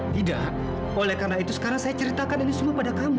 tidak oleh karena itu sekarang saya ceritakan ini semua pada kami